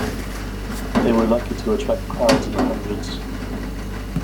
They were lucky to attract crowds in the hundreds.